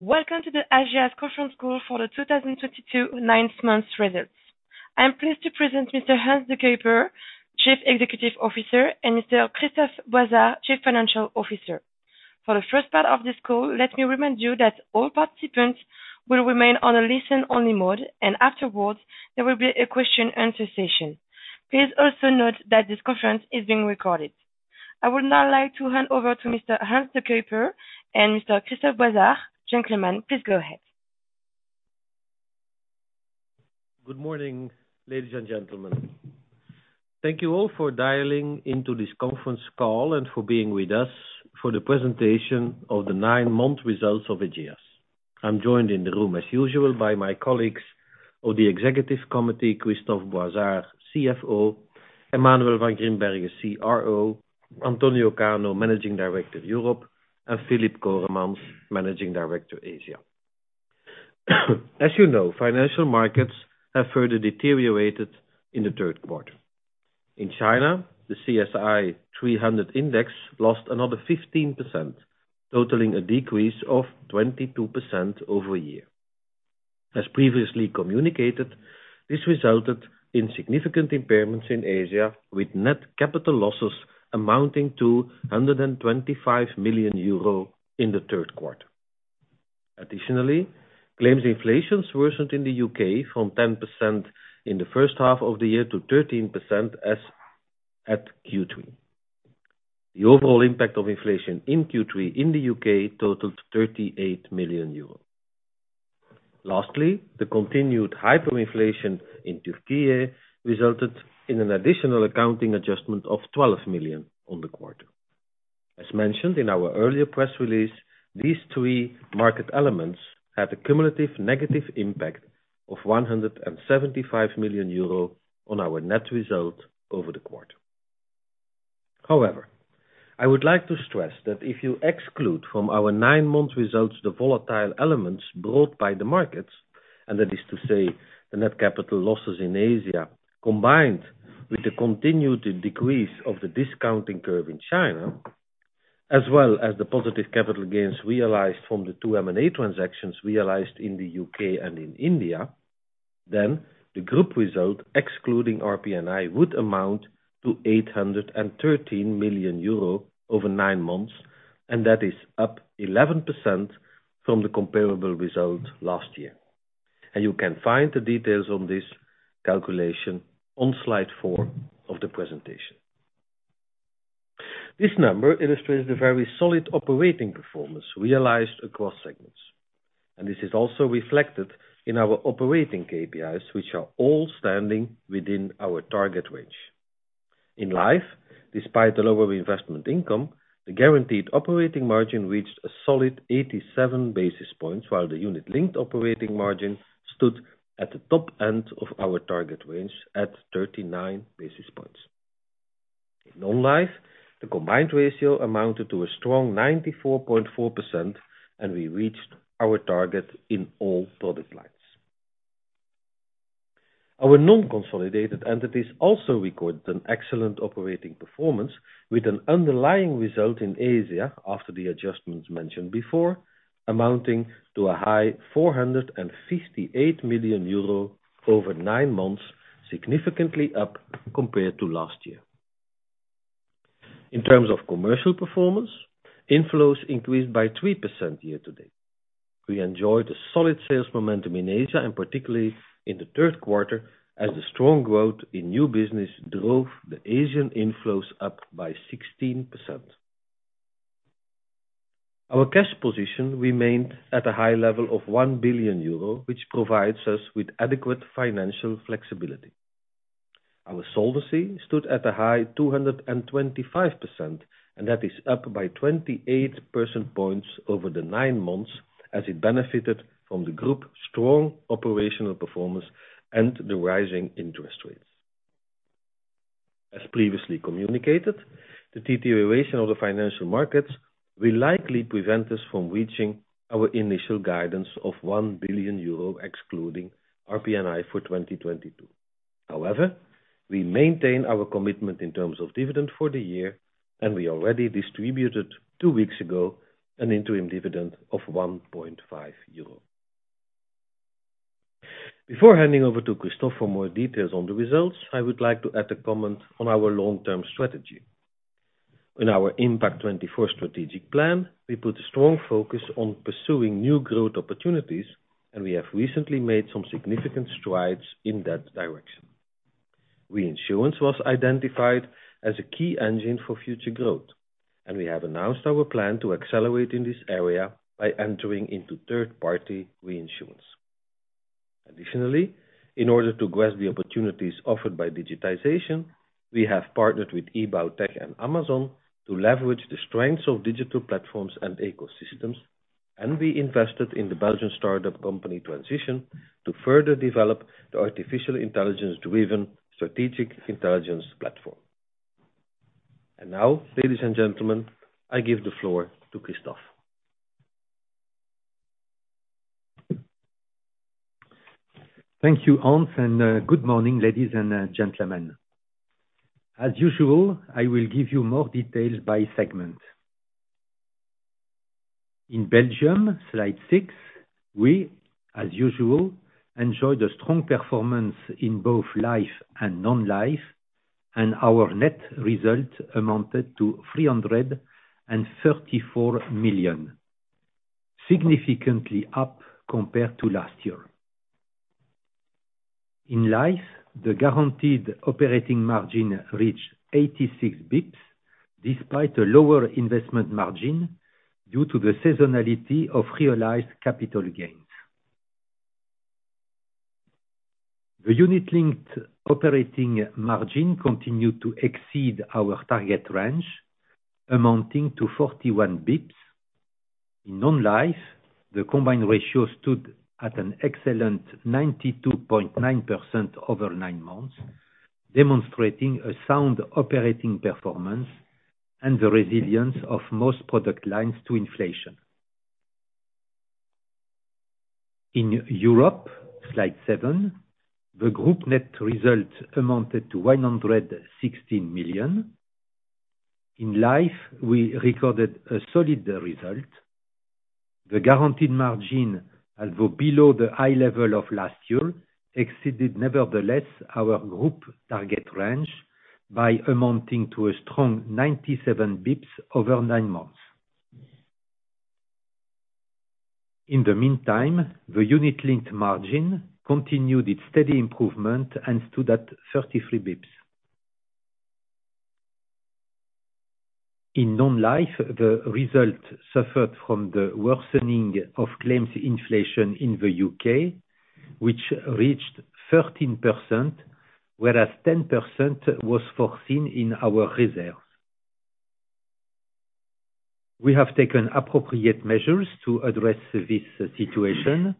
Welcome to the Ageas Conference Call for the 2022 ninth month results. I am pleased to present Mr. Hans De Cuyper, Chief Executive Officer, and Mr. Christophe Boizard, Chief Financial Officer. For the first part of this call, let me remind you that all participants will remain on a listen-only mode, and afterwards, there will be a question answer session. Please also note that this conference is being recorded. I would now like to hand over to Mr. Hans De Cuyper and Mr. Christophe Boizard. Gentlemen, please go ahead. Good morning, ladies and gentlemen. Thank you all for dialing into this conference call and for being with us for the presentation of the nine-month results of Ageas. I'm joined in the room as usual by my colleagues of the executive committee, Christophe Boizard, CFO, Emmanuel Van Grimbergen, CRO, Antonio Cano, Managing Director of Europe, and Filip Coremans, Managing Director, Asia. As you know, financial markets have further deteriorated in the third quarter. In China, the CSI 300 index lost another 15%, totaling a decrease of 22% over a year. As previously communicated, this resulted in significant impairments in Asia with net capital losses amounting to 125 million euro in the third quarter. Additionally, claims inflation worsened in the U.K. from 10% in the first half of the year to 13% as at Q3. The overall impact of inflation in Q3 in the U.K. totaled 38 million euros. Lastly, the continued hyperinflation in Türkiye resulted in an additional accounting adjustment of 12 million on the quarter. As mentioned in our earlier press release, these three market elements had a cumulative negative impact of 175 million euro on our net result over the quarter. However, I would like to stress that if you exclude from our nine-month results the volatile elements brought by the markets, and that is to say the net capital losses in Asia, combined with the continued decrease of the discounting curve in China, as well as the positive capital gains realized from the two M&A transactions realized in the U.K. and in India, then the group result excluding RPNI would amount to 813 million euro over nine months, and that is up 11% from the comparable result last year. You can find the details on this calculation on slide four of the presentation. This number illustrates the very solid operating performance realized across segments. This is also reflected in our operating KPIs, which are all standing within our target range. In Life, despite the lower investment income, the guaranteed operating margin reached a solid 87 basis points, while the unit linked operating margin stood at the top end of our target range at 39 basis points. In Non-Life, the combined ratio amounted to a strong 94.4%, and we reached our target in all product lines. Our non-consolidated entities also recorded an excellent operating performance with an underlying result in Asia after the adjustments mentioned before, amounting to a high 458 million euro over nine months, significantly up compared to last year. In terms of commercial performance, inflows increased by 3% year to date. We enjoyed a solid sales momentum in Asia, and particularly in the third quarter, as the strong growth in new business drove the Asian inflows up by 16%. Our cash position remained at a high level of 1 billion euro, which provides us with adequate financial flexibility. Our solvency stood at a high 225%, and that is up by 28 percentage points over the nine months as it benefited from the group's strong operational performance and the rising interest rates. As previously communicated, the deterioration of the financial markets will likely prevent us from reaching our initial guidance of 1 billion euro excluding RPNI for 2022. However, we maintain our commitment in terms of dividend for the year, and we already distributed two weeks ago an interim dividend of 1.5 euro. Before handing over to Christophe for more details on the results, I would like to add a comment on our long-term strategy. In our Impact24 strategic plan, we put a strong focus on pursuing new growth opportunities, and we have recently made some significant strides in that direction. Reinsurance was identified as a key engine for future growth, and we have announced our plan to accelerate in this area by entering into third-party reinsurance. Additionally, in order to grasp the opportunities offered by digitization, we have partnered with eBaoTech and Amazon to leverage the strengths of digital platforms and ecosystems, and we invested in the Belgian start-up company Transition to further develop the artificial intelligence-driven strategic intelligence platform. Now, ladies and gentlemen, I give the floor to Christophe. Thank you, Hans, and good morning, ladies and gentlemen. As usual, I will give you more details by segment. In Belgium, slide six, we, as usual, enjoyed a strong performance in both life and non-life, and our net result amounted to 334 million, significantly up compared to last year. In life, the guaranteed operating margin reached 86 bps, despite a lower investment margin due to the seasonality of realized capital gains. The unit linked operating margin continued to exceed our target range, amounting to 41 bps. In non-life, the combined ratio stood at an excellent 92.9% over nine months, demonstrating a sound operating performance and the resilience of most product lines to inflation. In Europe, slide seven, the group net result amounted to 116 million. In life, we recorded a solid result. The guaranteed margin, although below the high level of last year, exceeded nevertheless our group target range by amounting to a strong 97 basis points over nine months. In the meantime, the unit linked margin continued its steady improvement and stood at 33 basis points. In non-life, the result suffered from the worsening of claims inflation in the UK, which reached 13%, whereas 10% was foreseen in our reserves. We have taken appropriate measures to address this situation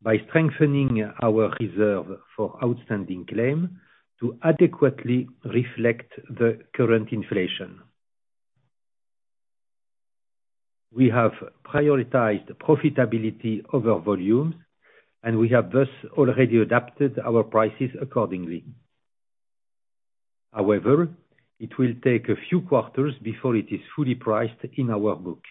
by strengthening our reserve for outstanding claim to adequately reflect the current inflation. We have prioritized profitability over volumes, and we have thus already adapted our prices accordingly. However, it will take a few quarters before it is fully priced in our book.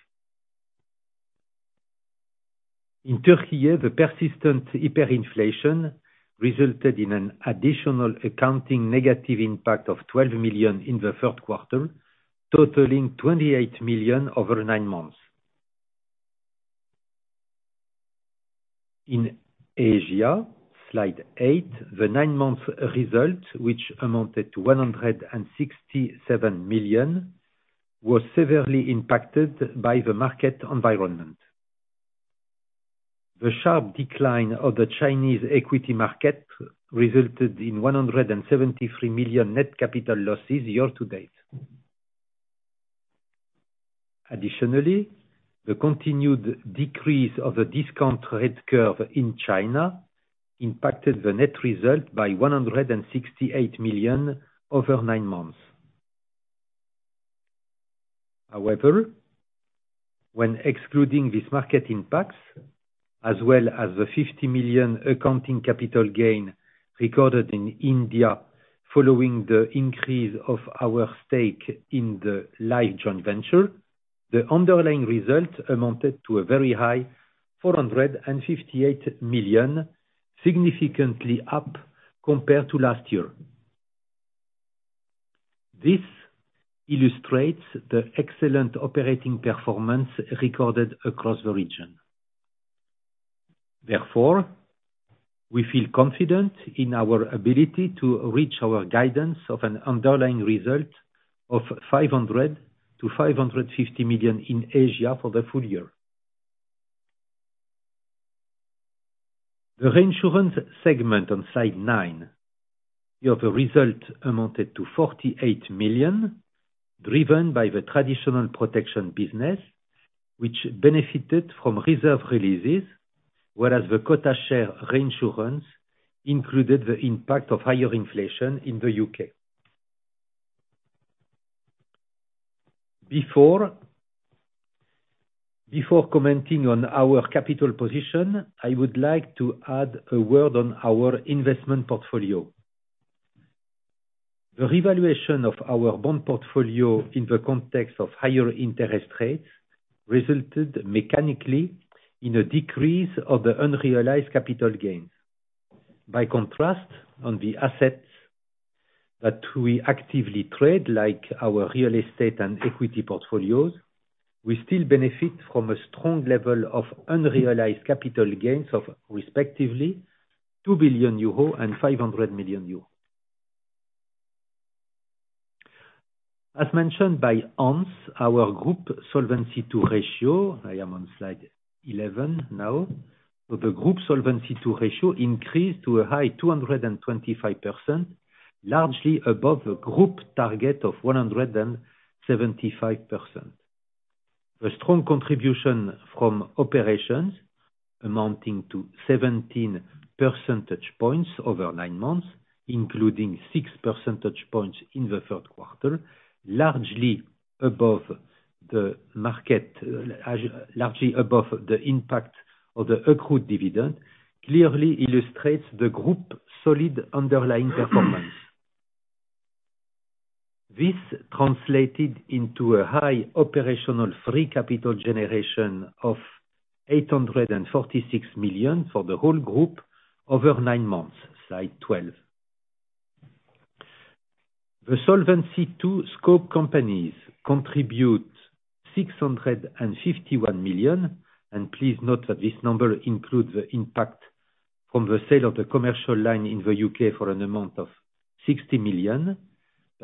In Turkey, the persistent hyperinflation resulted in an additional accounting negative impact of 12 million in the third quarter, totaling 28 million over nine months. In Asia, slide eight, the nine-month result, which amounted to 167 million, was severely impacted by the market environment. The sharp decline of the Chinese equity market resulted in 173 million net capital losses year to date. Additionally, the continued decrease of the discount rate curve in China impacted the net result by 168 million over nine months. However, when excluding these market impacts, as well as the 50 million accounting capital gain recorded in India following the increase of our stake in the life joint venture, the underlying result amounted to a very high 458 million, significantly up compared to last year. This illustrates the excellent operating performance recorded across the region. Therefore, we feel confident in our ability to reach our guidance of an underlying result of 500-550 million in Asia for the full year. The reinsurance segment on slide nine, our result amounted to 48 million, driven by the traditional protection business, which benefited from reserve releases, whereas the quota share reinsurance included the impact of higher inflation in the UK. Before commenting on our capital position, I would like to add a word on our investment portfolio. The revaluation of our bond portfolio in the context of higher interest rates resulted mechanically in a decrease of the unrealized capital gains. By contrast, on the assets that we actively trade, like our real estate and equity portfolios, we still benefit from a strong level of unrealized capital gains of respectively 2 billion euro and 500 million euro. As mentioned by Hans, our group Solvency II ratio, I am on slide 11 now. With the group Solvency II ratio increased to a high 225%, largely above the group target of 175%. The strong contribution from operations amounting to 17 percentage points over nine months, including 6 percentage points in the third quarter, largely above the market, largely above the impact of the accrued dividend, clearly illustrates the group's solid underlying performance. This translated into a high operational free capital generation of 846 million for the whole group over nine months. Slide 12. The Solvency II scope companies contribute 651 million. Please note that this number includes the impact from the sale of the commercial line in the U.K. for an amount of 60 million.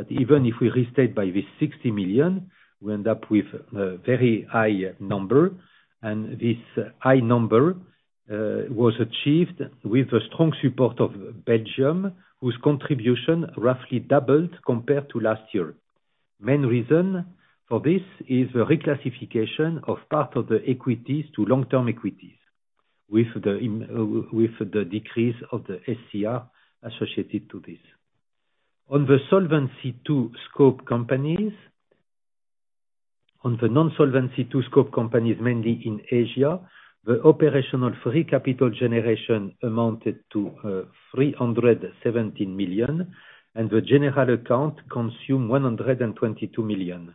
Even if we restate by this 60 million, we end up with a very high number. This high number was achieved with the strong support of Belgium, whose contribution roughly doubled compared to last year. Main reason for this is a reclassification of part of the equities to long-term equities with the decrease of the SCR associated to this. On the Solvency II scope companies. On the non-Solvency II scope companies, mainly in Asia, the operational free capital generation amounted to 317 million, and the general account consumed 122 million.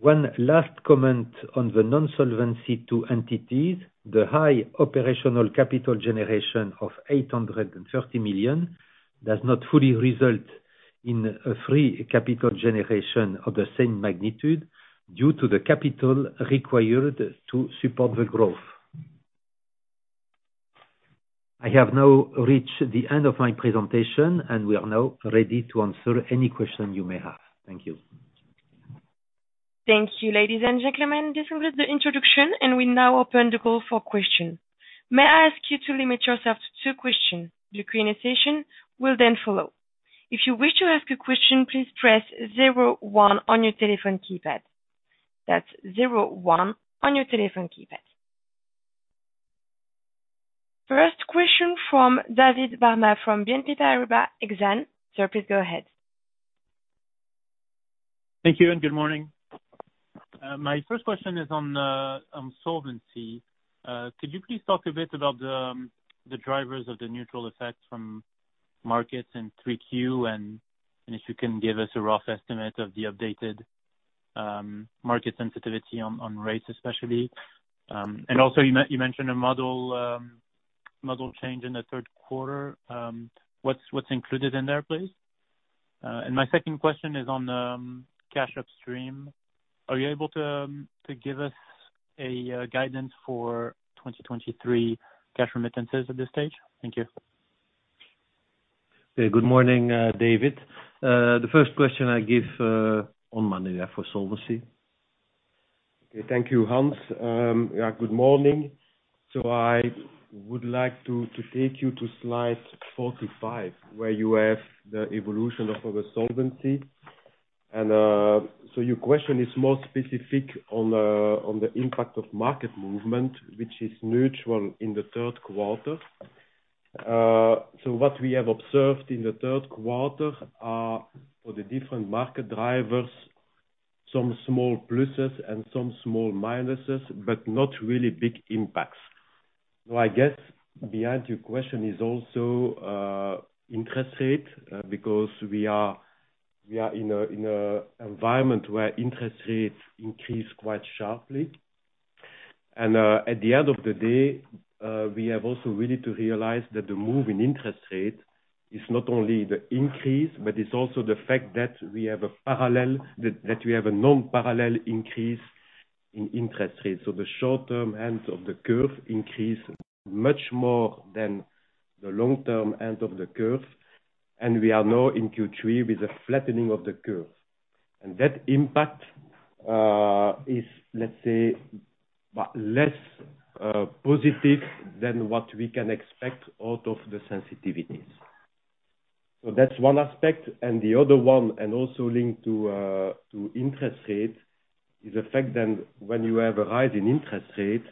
One last comment on the non-Solvency II entities. The high operational capital generation of 830 million does not fully result in a free capital generation of the same magnitude due to the capital required to support the growth. I have now reached the end of my presentation and we are now ready to answer any question you may have. Thank you. Thank you, ladies and gentlemen. This concludes the introduction, and we now open the call for questions. May I ask you to limit yourself to two questions? The Q&A session will then follow. If you wish to ask a question, please press zero one on your telephone keypad. That's zero one on your telephone keypad. First question from David Barma from BNP Paribas Exane. Sir, please go ahead. Thank you and good morning. My first question is on solvency. Could you please talk a bit about the drivers of the neutral effect from markets in 3Q and if you can give us a rough estimate of the updated market sensitivity on rates especially. You mentioned a model change in the third quarter. What's included in there, please? My second question is on cash upstream. Are you able to give us a guidance for 2023 cash remittances at this stage? Thank you. Yeah. Good morning, David. The first question I give on Monday for solvency. Okay, thank you, Hans. Yeah, good morning. I would like to take you to slide 45, where you have the evolution of our solvency. Your question is more specific on the impact of market movement, which is neutral in the third quarter. What we have observed in the third quarter are for the different market drivers, some small pluses and some small minuses, but not really big impacts. I guess behind your question is also interest rate because we are in a environment where interest rates increase quite sharply. At the end of the day, we have also really to realize that the move in interest rate is not only the increase, but it's also the fact that we have a non-parallel increase in interest rates. The short-term ends of the curve increase much more than the long-term end of the curve. We are now in Q3 with a flattening of the curve. That impact is, let's say, but less positive than what we can expect out of the sensitivities. That's one aspect and the other one, and also linked to interest rate, is the fact that when you have a rise in interest rate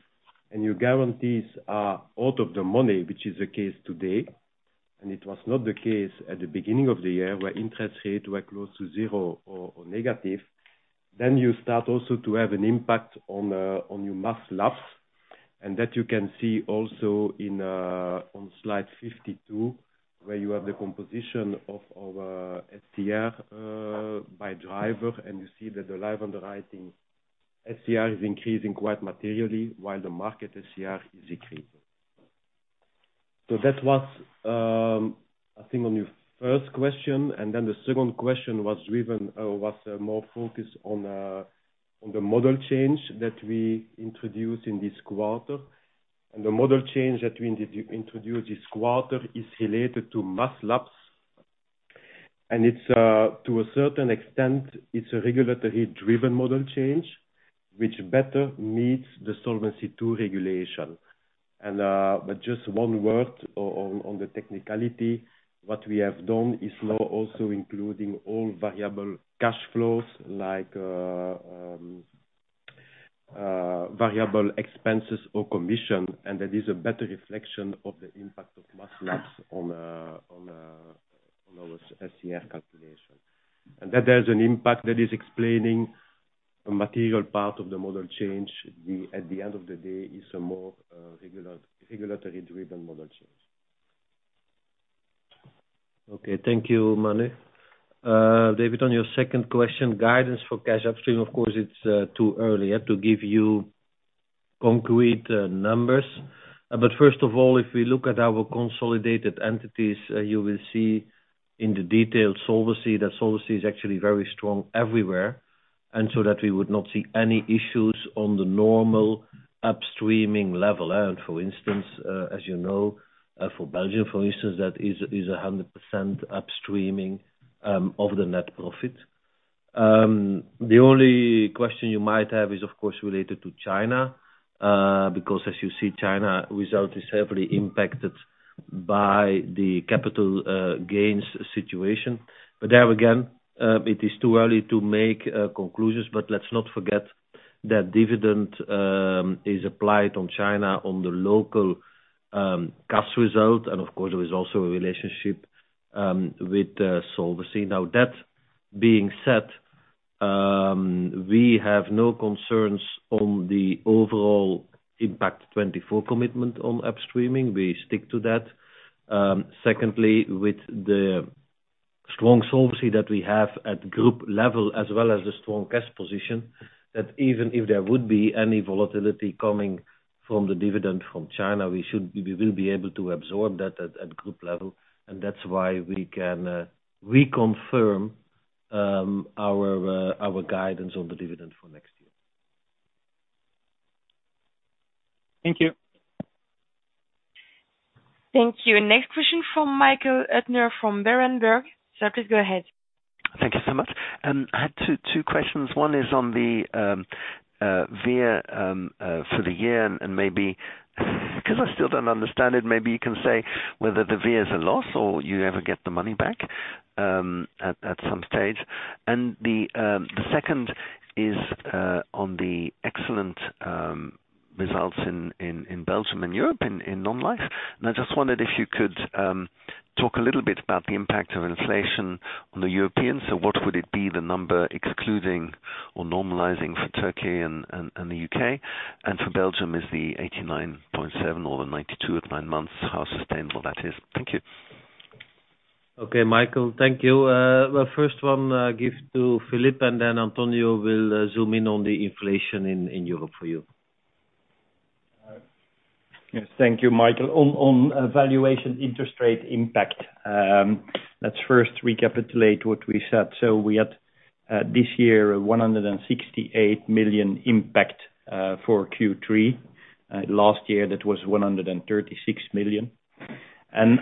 and your guarantees are out of the money, which is the case today, and it was not the case at the beginning of the year, where interest rates were close to zero or negative. Then you start also to have an impact on your mass lapse, and that you can see also in on slide 52, where you have the composition of our SCR by driver, and you see that the life underwriting SCR is increasing quite materially while the market SCR is decreasing. That was, I think on your first question. Then the second question was more focused on the model change that we introduced in this quarter. The model change that we introduced this quarter is related to mass lapse. It's to a certain extent a regulatory driven model change which better meets the Solvency II regulation. But just one word on the technicality, what we have done is now also including all variable cash flows, like variable expenses or commission, and that is a better reflection of the impact of mass lapse on our SCR calculation. That there's an impact that is explaining A material part of the model change, at the end of the day, is a more regulatory driven model change. Okay. Thank you, Manu. David, on your second question, guidance for cash upstream, of course, it's too early to give you concrete numbers. First of all, if we look at our consolidated entities, you will see in the detailed solvency that solvency is actually very strong everywhere, and so that we would not see any issues on the normal upstreaming level. For instance, as you know, for Belgium, for instance, that is 100% upstreaming of the net profit. The only question you might have is, of course, related to China, because as you see, China result is heavily impacted by the capital gains situation. There again, it is too early to make conclusions. Let's not forget that dividend is applied on China on the local cost result. Of course, there is also a relationship with the solvency. Now that being said, we have no concerns on the overall Impact24 commitment on upstreaming. We stick to that. Secondly, with the strong solvency that we have at group level, as well as the strong cash position, that even if there would be any volatility coming from the dividend from China, we will be able to absorb that at group level. That's why we can reconfirm our guidance on the dividend for next year. Thank you. Thank you. Next question from Michael Huttner from Berenberg. Sir, please go ahead. Thank you so much. I had two questions. One is on the VIF for the year, and maybe because I still don't understand it, maybe you can say whether the VIF is a loss or you ever get the money back at some stage. The second is on the excellent results in Belgium and Europe in non-life. I just wondered if you could talk a little bit about the impact of inflation on the Europeans. What would be the number excluding or normalizing for Turkey and the U.K.? For Belgium, is the 89.7% or the 92% at nine months, how sustainable that is? Thank you. Okay, Michael, thank you. The first one I'll give to Filip, and then Antonio will zoom in on the inflation in Europe for you. Yes. Thank you, Michael. On valuation interest rate impact, let's first recapitulate what we said. We had this year 168 million impact for Q3. Last year that was 136 million.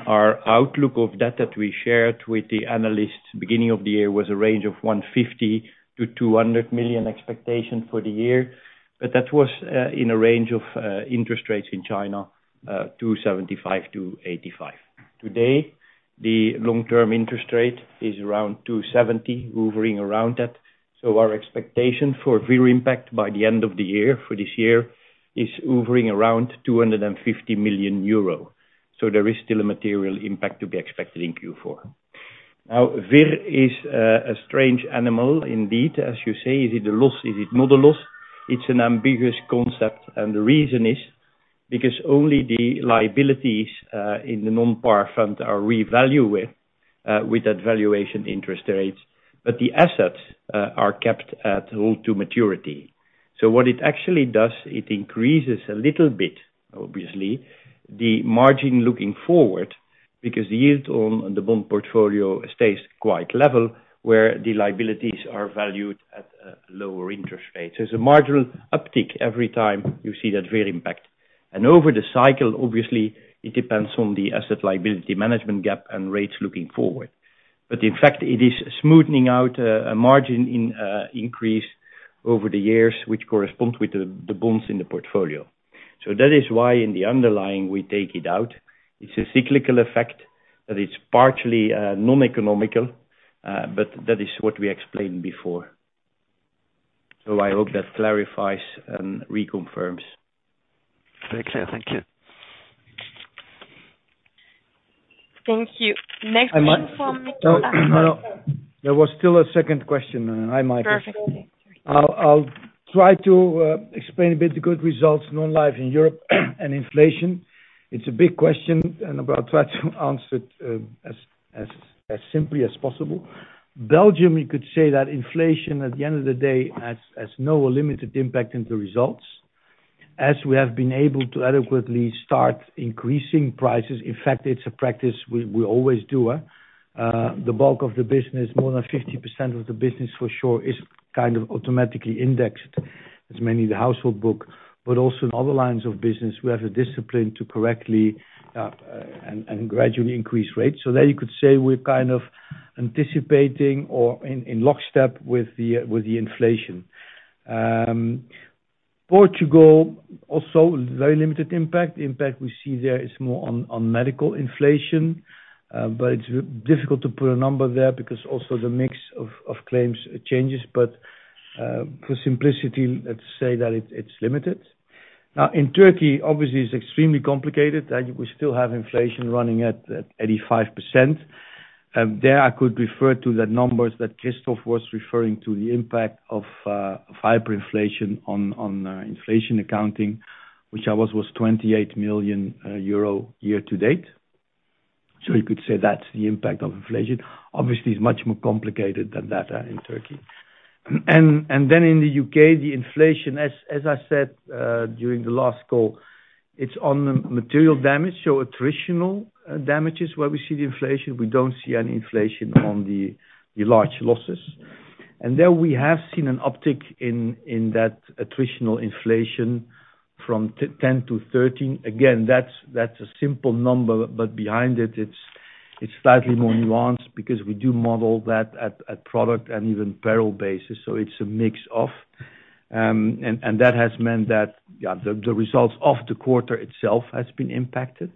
Our outlook of that we shared with the analysts beginning of the year was a range of 150 milllion- 200 million expectation for the year. That was in a range of interest rates in China 2.75-3.85. Today, the long-term interest rate is around 2.70, hovering around that. Our expectation for real impact by the end of the year, for this year, is hovering around 250 million euro. There is still a material impact to be expected in Q4. Now, VIF is a strange animal indeed. As you say, is it a loss? Is it not a loss? It's an ambiguous concept, and the reason is because only the liabilities in the non-par front are revalued with that valuation interest rates, but the assets are kept at amortized cost to maturity. What it actually does, it increases a little bit, obviously, the margin looking forward, because the yield on the bond portfolio stays quite level, where the liabilities are valued at a lower interest rate. There's a marginal uptick every time you see that real impact. Over the cycle, obviously, it depends on the asset liability management gap and rates looking forward. In fact, it is smoothing out a margin increase over the years, which corresponds with the bonds in the portfolio. That is why in the underlying, we take it out. It's a cyclical effect that is partially non-economic, but that is what we explained before. I hope that clarifies and reconfirms. Very clear. Thank you. Thank you. No, no. There was still a second question. Hi, Michael. Perfect. Okay. Sorry. I'll try to explain a bit the good results, non-life in Europe and inflation. It's a big question, and I'll try to answer it as simply as possible. Belgium, you could say that inflation at the end of the day has no or limited impact in the results, as we have been able to adequately start increasing prices. In fact, it's a practice we always do. The bulk of the business, more than 50% of the business for sure, is kind of automatically indexed. It's mainly the household book, but also in other lines of business, we have the discipline to correctly and gradually increase rates. There you could say we're kind of anticipating or in lockstep with the inflation. Portugal also very limited impact. The impact we see there is more on medical inflation, but it's difficult to put a number there because also the mix of claims changes. For simplicity, let's say that it's limited. Now, in Turkey, obviously it's extremely complicated that we still have inflation running at 85%. There I could refer to the numbers that Christophe was referring to, the impact of hyperinflation on inflation accounting, which was 28 million euro year to date. You could say that's the impact of inflation. Obviously, it's much more complicated than that in Turkey. Then in the UK, the inflation, as I said during the last call, it's on the material damage, so attritional damages where we see the inflation. We don't see any inflation on the large losses. There we have seen an uptick in that attritional inflation from 10%-13%. Again, that's a simple number, but behind it's slightly more nuanced because we do model that at product and even peril basis, so it's a mix of. That has meant that, yeah, the results of the quarter itself has been impacted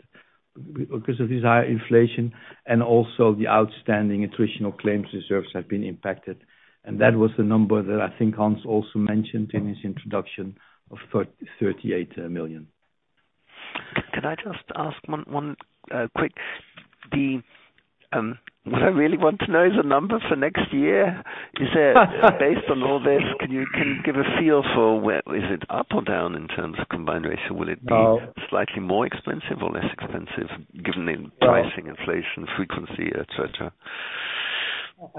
because of this high inflation, and also the outstanding attritional claims reserves have been impacted. That was the number that I think Hans also mentioned in his introduction of 38 million. Can I just ask one quick? What I really want to know is the number for next year. Is there, based on all this, can you give a feel for where? Is it up or down in terms of combined ratio? Will it be? Uh. slightly more expensive or less expensive given the Uh. pricing inflation, frequency, et cetera?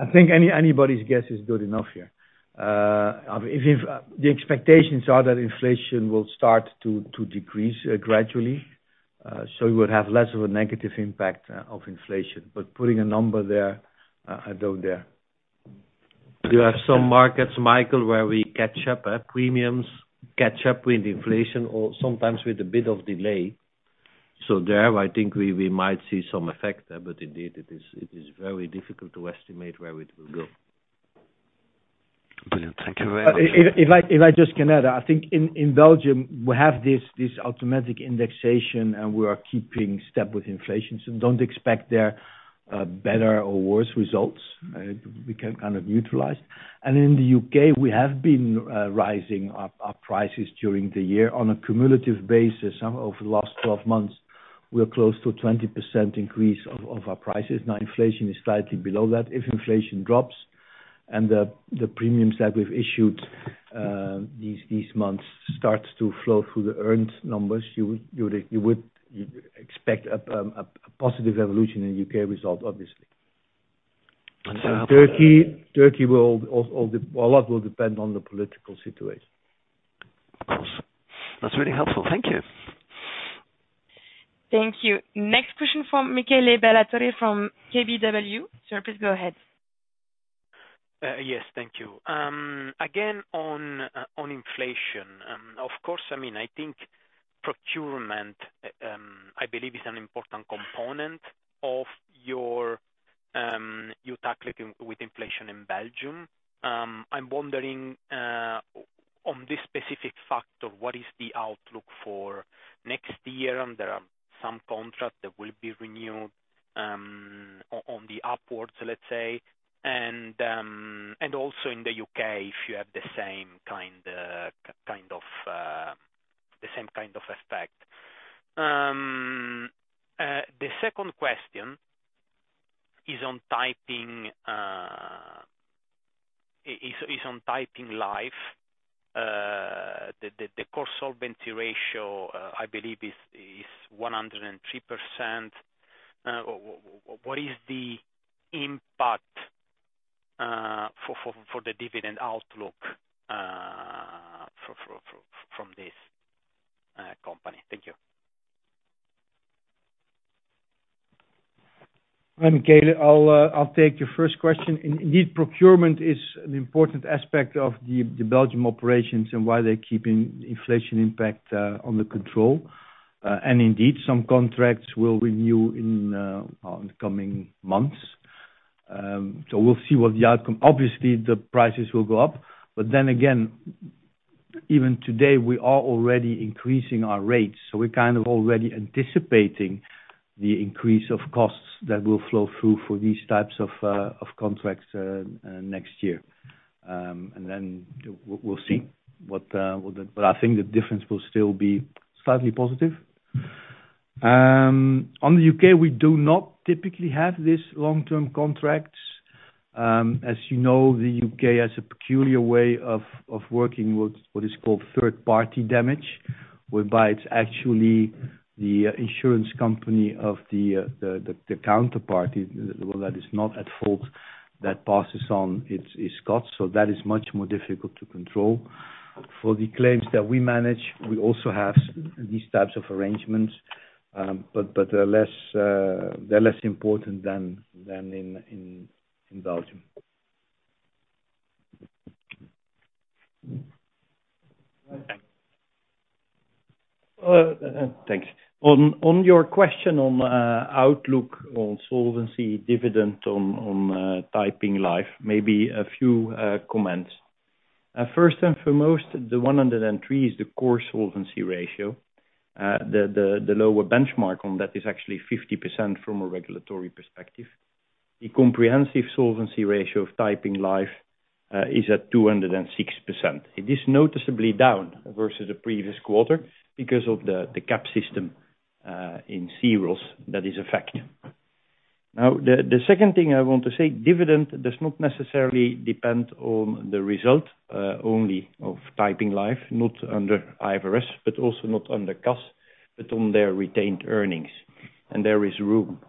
I think anybody's guess is good enough here. I mean, the expectations are that inflation will start to decrease gradually, so we would have less of a negative impact of inflation. But putting a number there, I don't dare. You have some markets, Michael, where we catch up, premiums catch up with inflation or sometimes with a bit of delay. There, I think we might see some effect, but indeed it is very difficult to estimate where it will go. Brilliant. Thank you very much. If I just can add, I think in Belgium, we have this automatic indexation, and we are keeping step with inflation. Don't expect there better or worse results. We can kind of neutralize. In the U.K., we have been rising our prices during the year on a cumulative basis. Over the last 12 months, we are close to a 20% increase of our prices. Now, inflation is slightly below that. If inflation drops and the premiums that we've issued these months start to flow through the earned numbers, you would expect a positive evolution in U.K. result, obviously. And so- Turkey will, well, a lot will depend on the political situation. Of course. That's really helpful. Thank you. Thank you. Next question from Michele Ballatore from KBW. Sir, please go ahead. Yes. Thank you. Again, on inflation, of course, I mean, I think procurement, I believe is an important component of your tackling with inflation in Belgium. I'm wondering, on this specific factor, what is the outlook for next year? There are some contracts that will be renewed, on the upwards, let's say, and also in the UK, if you have the same kind of effect. The second question is on Taiping Life. The core solvency ratio, I believe is 103%. What is the impact for the dividend outlook from this company? Thank you. Hi, Michele. I'll take your first question. Indeed, procurement is an important aspect of the Belgian operations and why they're keeping inflation impact under control. Indeed, some contracts will renew in upcoming months. We'll see what the outcome. Obviously, the prices will go up. Then again, even today, we are already increasing our rates, so we're kind of already anticipating the increase of costs that will flow through for these types of contracts next year. I think the difference will still be slightly positive. In the UK, we do not typically have these long-term contracts. As you know, the U.K. has a peculiar way of working with what is called third-party damage, whereby it's actually the insurance company of the counterparty that is not at fault that passes on its costs. That is much more difficult to control. For the claims that we manage, we also have these types of arrangements, but they're less important than in Belgium. Thanks. Thanks. On your question on outlook on solvency dividend on Taiping Life, maybe a few comments. First and foremost, the 103 is the core solvency ratio. The lower benchmark on that is actually 50% from a regulatory perspective. The comprehensive solvency ratio of Taiping Life is at 206%. It is noticeably down versus the previous quarter because of the cap system in 0s that is a factor. Now, the second thing I want to say, dividend does not necessarily depend on the result only of Taiping Life, not under IFRS, but also not under CAS, but on their retained earnings. There is room.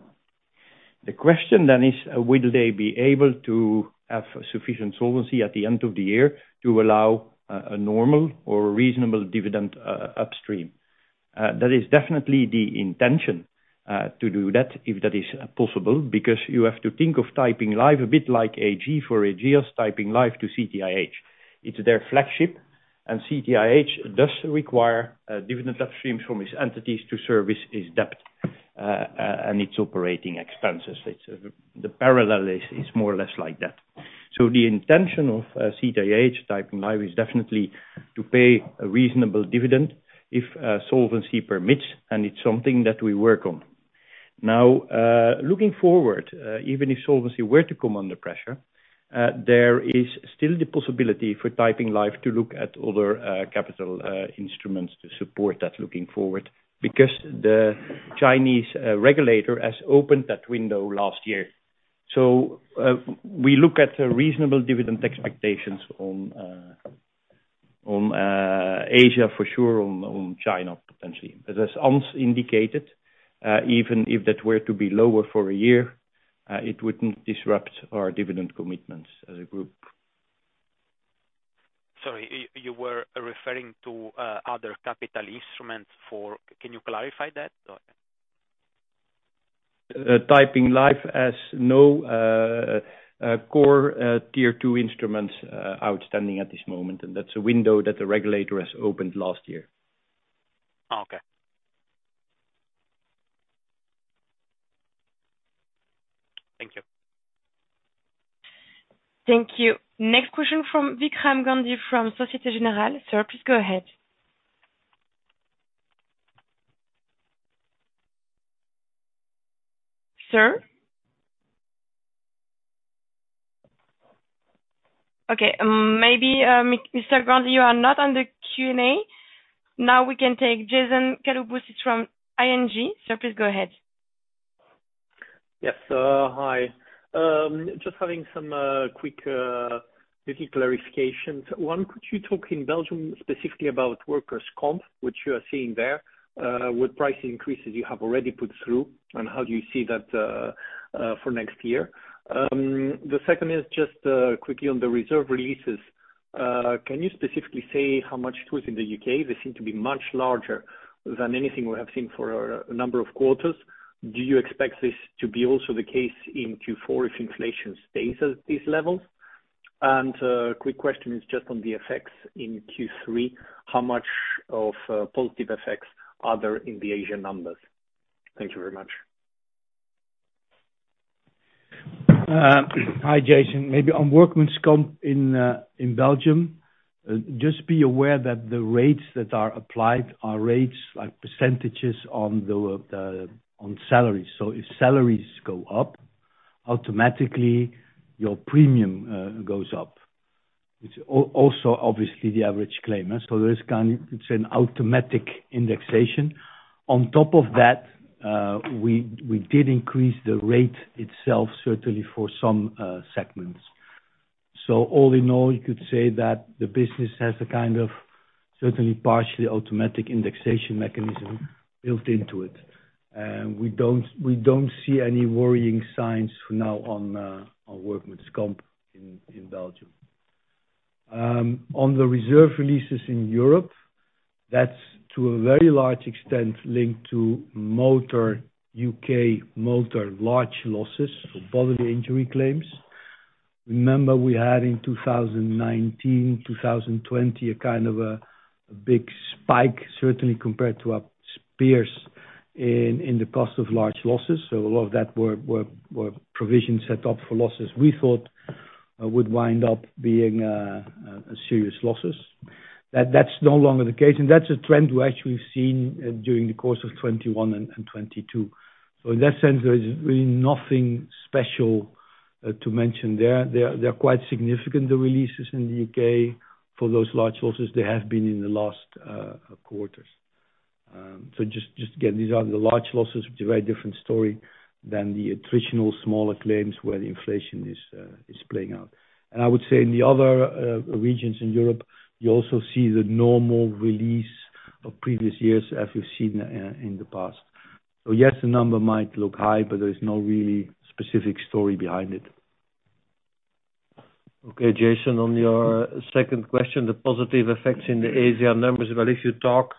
The question then is, will they be able to have sufficient solvency at the end of the year to allow a normal or reasonable dividend upstream? That is definitely the intention, to do that if that is possible, because you have to think of Taiping Life a bit like AG for Ageas, Taiping Life to CTIH. It's their flagship, and CTIH does require a dividend upstream from its entities to service its debt, and its operating expenses. It's the parallel is more or less like that. The intention of CTIH, Taiping Life, is definitely to pay a reasonable dividend if solvency permits, and it's something that we work on. Now, looking forward, even if solvency were to come under pressure, there is still the possibility for Taiping Life to look at other capital instruments to support that looking forward, because the Chinese regulator has opened that window last year. We look at reasonable dividend expectations on Asia for sure, on China, potentially. As Hans indicated, even if that were to be lower for a year, it wouldn't disrupt our dividend commitments as a group. Sorry, you were referring to other capital instruments. Can you clarify that? Go ahead. Taiping Life has no core Tier 2 instruments outstanding at this moment, and that's a window that the regulator has opened last year. Okay. Thank you. Thank you. Next question from Vikram Gandhi from Société Générale. Sir, please go ahead. Sir? Okay, maybe, Mr. Gandhi, you are not on the Q&A. Now we can take Jason Kalamboussis from ING. Sir, please go ahead. Yes. Hi. Just having some quick little clarifications. One, could you talk in Belgium specifically about workers comp, which you are seeing there, with price increases you have already put through, and how do you see that for next year? The second is just quickly on the reserve releases. Can you specifically say how much it was in the U.K.? They seem to be much larger than anything we have seen for a number of quarters. Do you expect this to be also the case in Q4 if inflation stays at these levels? Quick question is just on the effects in Q3. How much of positive effects are there in the Asia numbers? Thank you very much. Hi, Jason. Maybe on workman's comp in Belgium, just be aware that the rates that are applied are rates like percentages on the salaries. So if salaries go up, automatically your premium goes up. It's also obviously the average claim. So there is kind of an automatic indexation. On top of that, we did increase the rate itself, certainly for some segments. So all in all, you could say that the business has a kind of certainly partially automatic indexation mechanism built into it. We don't see any worrying signs for now on workman's comp in Belgium. On the reserve releases in Europe, that's to a very large extent linked to motor, U.K. motor large losses for bodily injury claims. Remember we had in 2019, 2020, a kind of a big spike, certainly compared to our peers in the cost of large losses. A lot of that were provisions set up for losses we thought would wind up being a serious losses. That's no longer the case. That's a trend we're actually seeing during the course of 2021 and 2022. In that sense, there is really nothing special to mention there. They are quite significant, the releases in the U.K. for those large losses. They have been in the last quarters. Again, these are the large losses. It's a very different story than the attritional smaller claims where the inflation is playing out. I would say in the other regions in Europe, you also see the normal release of previous years as we've seen in the past. Yes, the number might look high, but there is no really specific story behind it. Okay, Jason, on your second question, the positive effects in the Asia numbers. Well, if you talk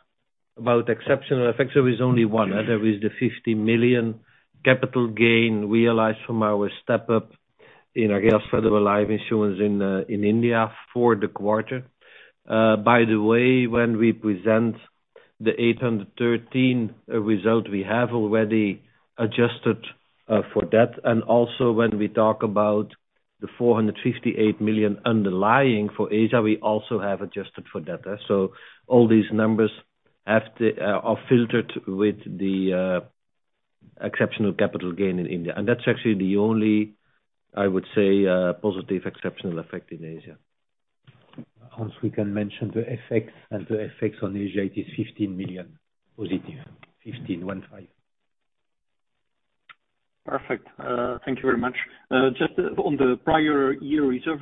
about exceptional effects, there is only one. There is the 50 million capital gain realized from our step-up in Ageas Federal Life Insurance in India for the quarter. By the way, when we present the 813 result, we have already adjusted for that, and also when we talk about 458 million underlying for Asia, we also have adjusted for DTA. All these numbers are filtered with the exceptional capital gain in India. That's actually the only, I would say, positive exceptional effect in Asia. Hans, we can mention the FX, and the FX on Asia is +EUR 15 million. Perfect. Thank you very much. Just on the prior year reserve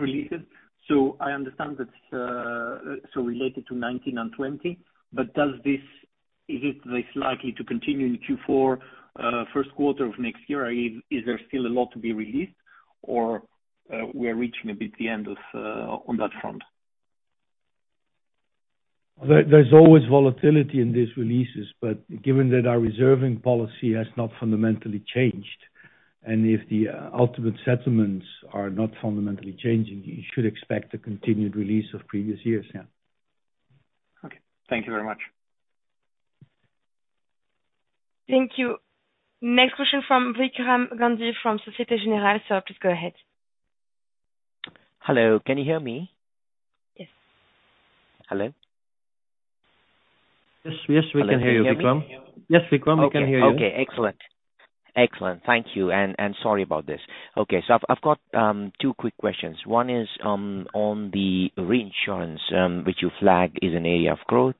releases. I understand that so related to 2019 and 2020, but is this likely to continue in Q4, first quarter of next year? I mean, is there still a lot to be released or we're reaching a bit the end of on that front? There's always volatility in these releases, but given that our reserving policy has not fundamentally changed, and if the ultimate settlements are not fundamentally changing, you should expect a continued release of previous years, yeah. Okay. Thank you very much. Thank you. Next question from Vikram Gandhi from Société Générale. Sir, please go ahead. Hello. Can you hear me? Yes. Hello? Yes, yes, we can hear you, Vikram. Hello. Can you hear me? Yes, Vikram, we can hear you. Okay. Excellent. Thank you. Sorry about this. I've got two quick questions. One is on the reinsurance, which you flagged is an area of growth.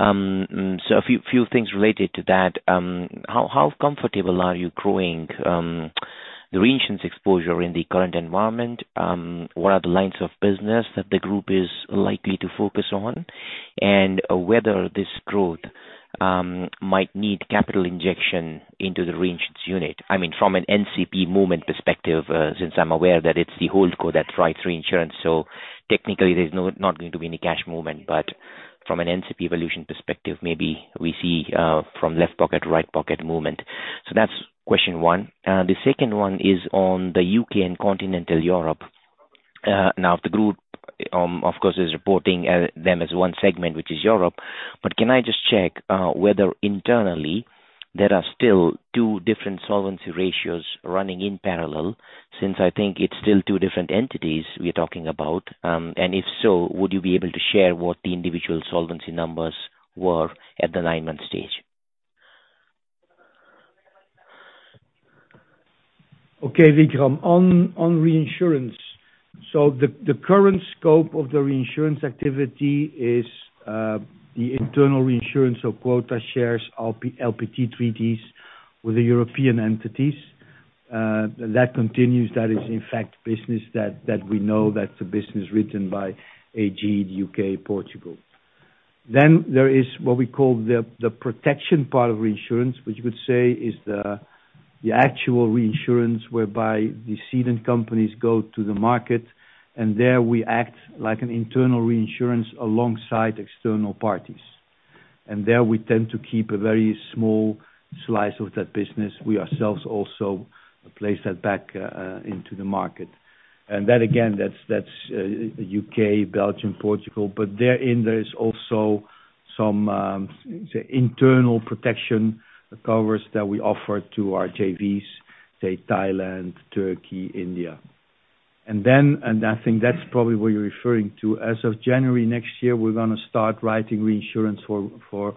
A few things related to that. How comfortable are you growing the reinsurance exposure in the current environment? What are the lines of business that the group is likely to focus on? And whether this growth might need capital injection into the reinsurance unit. I mean, from an NCP movement perspective, since I'm aware that it's the whole code that drives reinsurance. Technically there's not going to be any cash movement. From an NCP evolution perspective, maybe we see from left pocket to right pocket movement. That's question one. The second one is on the U.K. and continental Europe. Now the group, of course, is reporting them as one segment, which is Europe. Can I just check whether internally there are still two different solvency ratios running in parallel? Since I think it's still two different entities we are talking about. If so, would you be able to share what the individual solvency numbers were at the nine-month stage? Okay, Vikram. On reinsurance. The current scope of the reinsurance activity is the internal reinsurance of quota shares, LPT treaties with the European entities. That continues. That is in fact business that we know, that's a business written by AG, the UK, Portugal. There is what we call the protection part of reinsurance, which you could say is the actual reinsurance whereby the cedent companies go to the market, and there we act like an internal reinsurance alongside external parties. There we tend to keep a very small slice of that business. We ourselves also place that back into the market. That again, that's UK, Belgium, Portugal, but therein there is also some internal protection covers that we offer to our JVs, say Thailand, Turkey, India. I think that's probably what you're referring to. As of January next year, we're gonna start writing reinsurance for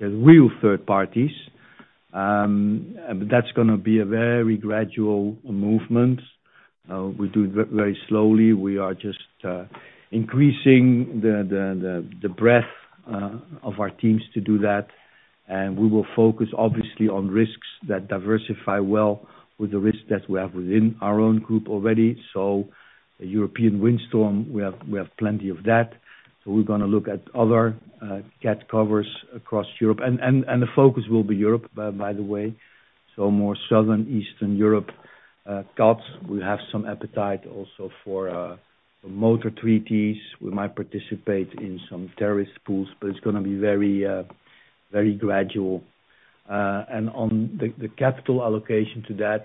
the real third parties. That's gonna be a very gradual movement. We do it very slowly. We are just increasing the breadth of our teams to do that. We will focus obviously on risks that diversify well with the risks that we have within our own group already. European windstorm, we have plenty of that. We're gonna look at other CAT covers across Europe. The focus will be Europe, by the way. More Southern Eastern Europe CATs. We have some appetite also for motor treaties. We might participate in some terrorist pools, but it's gonna be very gradual. On the capital allocation to that,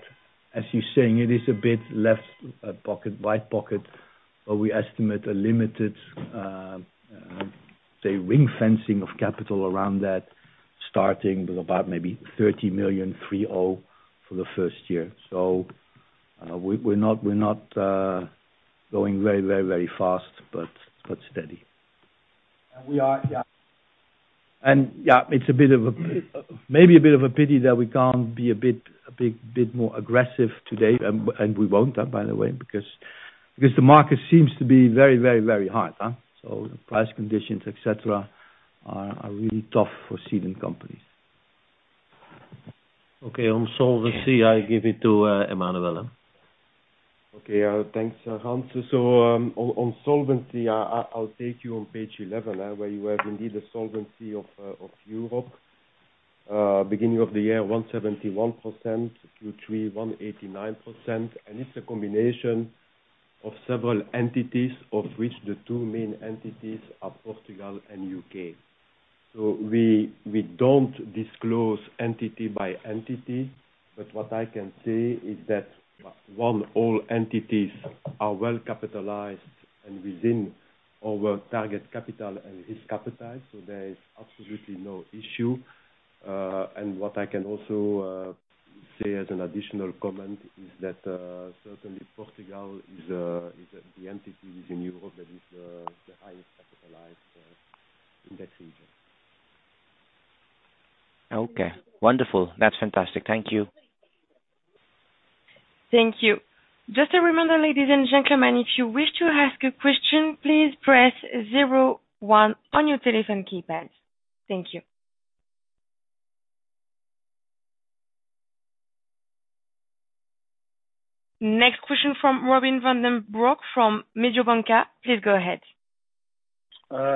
as you're saying, it is a bit left pocket, right pocket. We estimate a limited ring fencing of capital around that, starting with about maybe 30 million for the first year. We're not going very fast, but steady. It's a bit of a pity that we can't be a bit more aggressive today. We won't, by the way, because the market seems to be very hard. Price conditions, etc., are really tough for cedent companies. Okay, on solvency, I give it to Emmanuel. Okay. Thanks, Hans. On solvency, I'll take you on page 11, where you have indeed the solvency of Europe. Beginning of the year, 171%, Q3 189%. It's a combination of several entities, of which the two main entities are Portugal and UK. We don't disclose entity by entity, but what I can say is that one, all entities are well capitalized and within our target capital range and are capitalized. There is absolutely no issue. What I can also say as an additional comment is that certainly Portugal is the entity within Europe that is the highest capitalized in that region. Okay. Wonderful. That's fantastic. Thank you. Thank you. Just a reminder, ladies and gentlemen, if you wish to ask a question, please press zero one on your telephone keypads. Thank you. Next question from Robin van den Broek from Mediobanca. Please go ahead.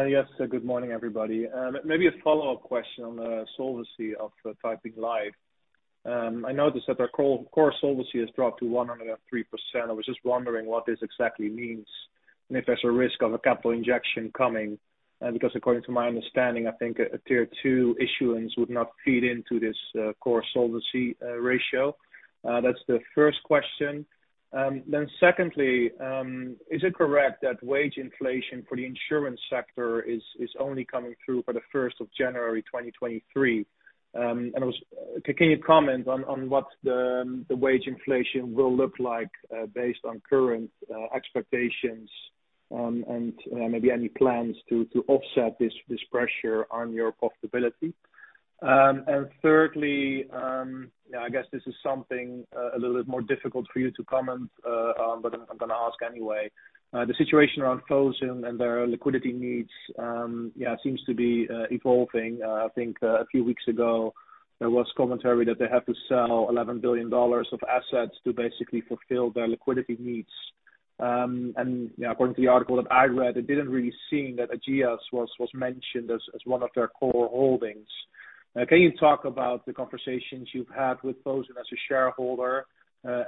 Yes. Good morning, everybody. Maybe a follow-up question on the solvency of Taiping Life. I noticed that their core solvency has dropped to 103%. I was just wondering what this exactly means and if there's a risk of a capital injection coming. Because according to my understanding, I think a Tier 2 issuance would not feed into this core solvency ratio. That's the first question. Secondly, is it correct that wage inflation for the insurance sector is only coming through for the first of January 2023? Can you comment on what the wage inflation will look like based on current expectations and maybe any plans to offset this pressure on your profitability. Thirdly, yeah, I guess this is something a little bit more difficult for you to comment, but I'm gonna ask anyway. The situation around Fosun and their liquidity needs, yeah, seems to be evolving. I think a few weeks ago, there was commentary that they have to sell $11 billion of assets to basically fulfill their liquidity needs. According to the article that I read, it didn't really seem that Ageas was mentioned as one of their core holdings. Can you talk about the conversations you've had with Fosun as a shareholder, and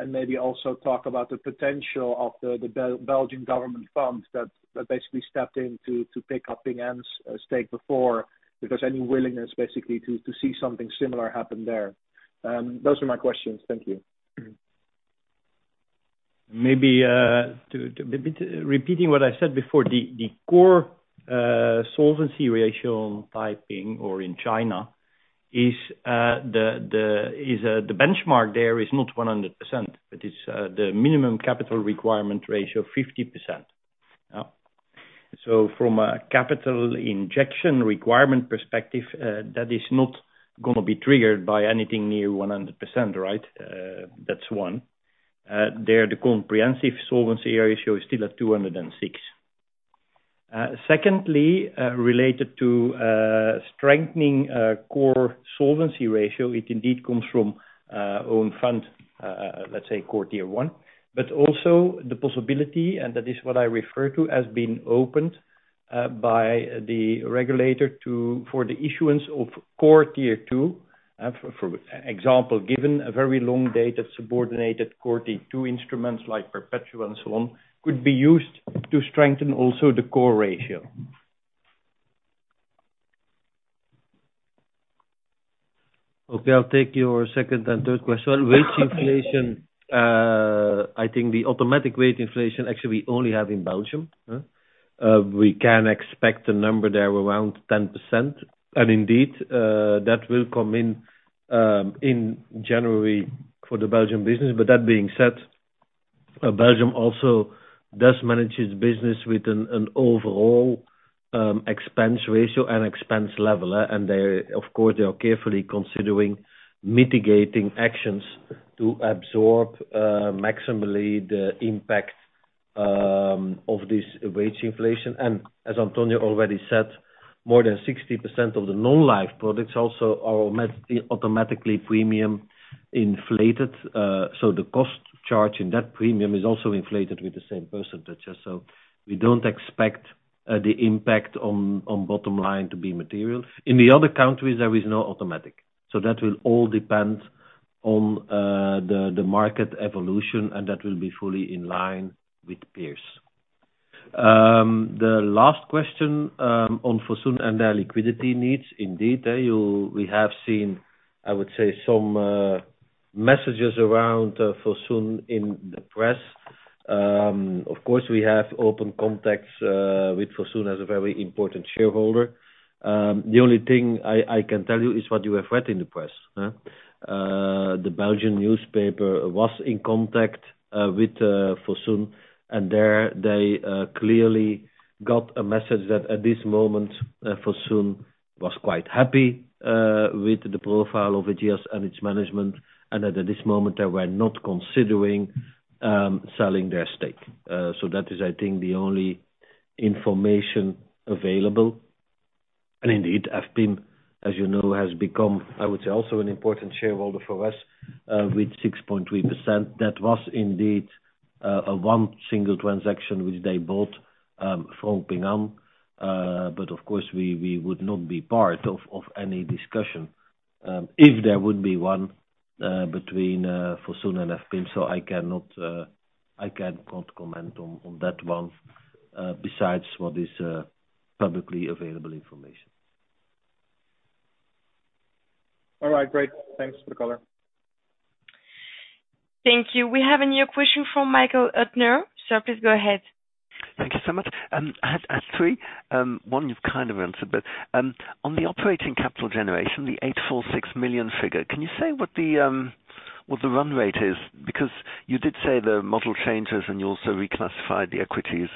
maybe also talk about the potential of the Belgian government funds that basically stepped in to pick up Ping An's stake before? If there's any willingness basically to see something similar happen there. Those are my questions. Thank you. Maybe repeating what I said before, the core solvency ratio in Taiping or in China is the benchmark there is not 100%. It is the minimum capital requirement ratio 50%. So from a capital injection requirement perspective, that is not gonna be triggered by anything near 100%, right? That's one. The comprehensive solvency ratio is still at 206. Secondly, related to strengthening core solvency ratio. It indeed comes from own fund, let's say core tier one. But also the possibility, and that is what I refer to as being opened by the regulator for the issuance of core tier two. For example, given a very long-dated subordinated core Tier 2 instruments like Perpetuals and so on, could be used to strengthen also the core ratio. Okay, I'll take your second and third question. Wage inflation. I think the automatic wage inflation actually we only have in Belgium. We can expect a number there around 10%. Indeed, that will come in in January for the Belgian business. That being said, Belgium also does manage its business with an overall expense ratio and expense level. They, of course, are carefully considering mitigating actions to absorb maximally the impact of this wage inflation. As Antonio already said, more than 60% of the non-life products also are automatically premium inflated. The cost charge in that premium is also inflated with the same percentage. We don't expect the impact on bottom line to be material. In the other countries, there is no automatic. That will all depend on the market evolution, and that will be fully in line with peers. The last question on Fosun and their liquidity needs. Indeed, we have seen, I would say, some messages around Fosun in the press. Of course, we have open contacts with Fosun as a very important shareholder. The only thing I can tell you is what you have read in the press. The Belgian newspaper was in contact with Fosun, and there they clearly got a message that at this moment, Fosun was quite happy with the profile of Ageas and its management and that at this moment, they were not considering selling their stake. That is, I think, the only information available. Indeed, FPIM, as you know, has become, I would say, also an important shareholder for us with 6.3%. That was indeed one single transaction which they bought from Ping An. Of course, we would not be part of any discussion if there would be one between Fosun and FPIM. I can't comment on that one besides what is publicly available information. All right, great. Thanks for the color. Thank you. We have a new question from Michael Huttner. Sir, please go ahead. Thank you so much. I had three. One you've kind of answered, but on the operating capital generation, the 846 million figure, can you say what the run rate is? Because you did say the model changes, and you also reclassified the equities.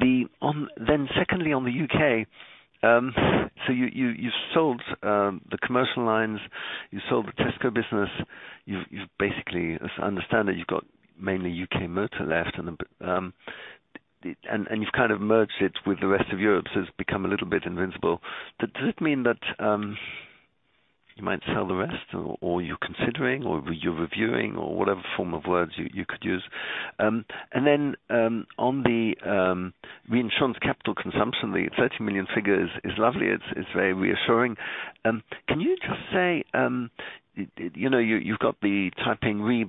Then secondly, on the UK, so you sold the commercial lines, you sold the Tesco business. You've basically, as I understand it, you've got mainly U.K. Motor left and you've kind of merged it with the rest of Europe, so it's become a little bit invisible. Does it mean that you might sell the rest or you're considering or you're reviewing, or whatever form of words you could use. On the reinsurance capital consumption, the 30 million figure is lovely. It's very reassuring. Can you just say you know, you you've got the Taiping Re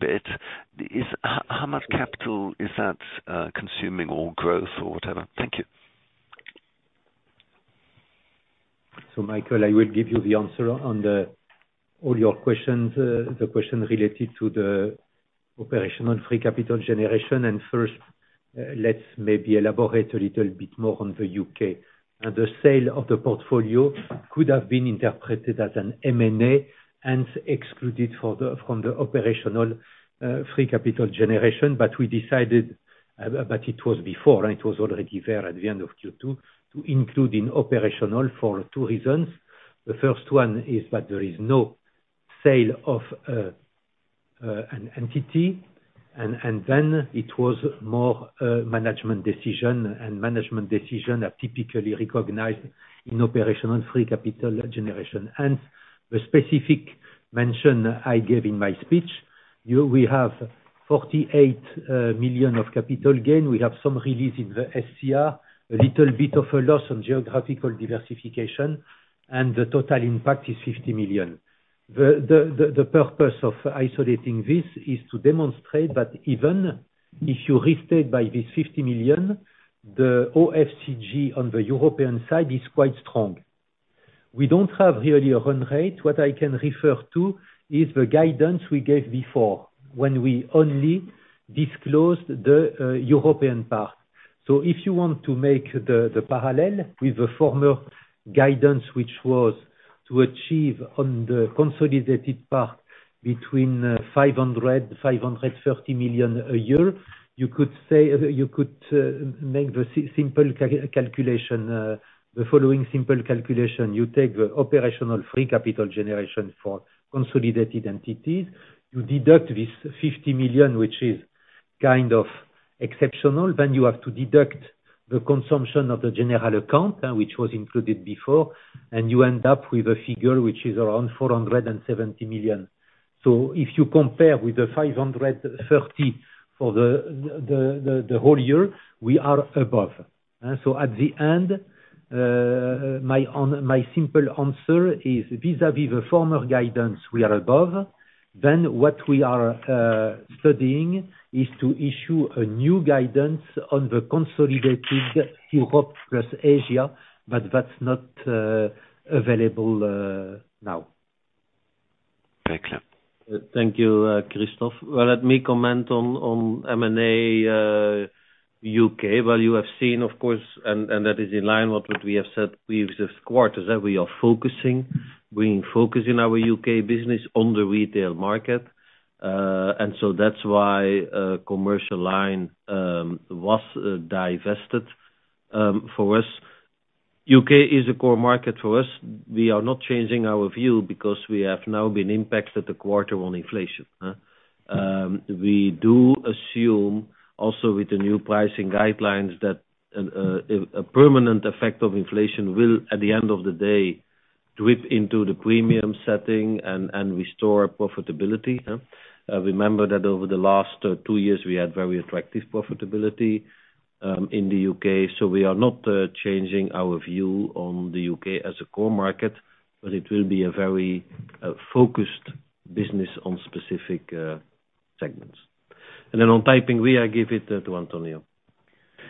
is how much capital is that consuming or growth or whatever? Thank you. Michael, I will give you the answer on all your questions. The question related to the operational free capital generation. First, let's maybe elaborate a little bit more on the UK. The sale of the portfolio could have been interpreted as an M&A and excluded from the operational free capital generation. But we decided, but it was before, it was already there at the end of Q2, to include in operational for two reasons. The first one is that there is no sale of an entity, and then it was more a management decision, and management decision are typically recognized in operational free capital generation. The specific mention I gave in my speech, we have 48 million of capital gain. We have some release in the SCR, a little bit of a loss on geographical diversification, and the total impact is 50 million. The purpose of isolating this is to demonstrate that even if you restate by this 50 million, the OFCG on the European side is quite strong. We don't have really a run rate. What I can refer to is the guidance we gave before when we only disclosed the European part. If you want to make the parallel with the former guidance, which was to achieve on the consolidated part between 500 million and 530 million a year, you could make the following simple calculation. You take the operational free capital generation for consolidated entities. You deduct this 50 million, which is kind of exceptional. You have to deduct the consumption of the general account, which was included before, and you end up with a figure which is around 470 million. If you compare with the 530 for the whole year, we are above. At the end, my simple answer is vis-a-vis the former guidance we are above. What we are studying is to issue a new guidance on the consolidated Europe plus Asia, but that's not available now. Very clear. Thank you, Christophe. Well, let me comment on M&A, UK, where you have seen, of course, and that is in line with what we have said in the quarters, that we are focusing, bringing focus in our U.K. business on the retail market. That's why commercial line was divested for us. U.K. is a core market for us. We are not changing our view because we have now been impacted for a quarter by inflation. We do assume also with the new pricing guidelines, that a permanent effect of inflation will, at the end of the day, drip into the premium setting and restore profitability. Remember that over the last two years, we had very attractive profitability in the UK. We are not changing our view on the U.K. as a core market, but it will be a very focused business on specific segments. Then on Taiping Reinsurance, I give it to Antonio.